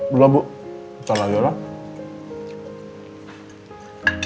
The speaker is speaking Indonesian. belum bu salah salah